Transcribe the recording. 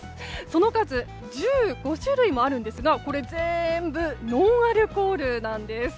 その数１５種類もあるんですが全部ノンアルコールなんです。